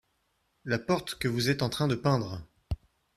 La porte que vous être en train de peindre.